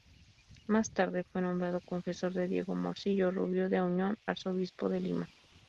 Más tarde fue nombrado confesor de Diego Morcillo Rubio de Auñón, arzobispo de Lima.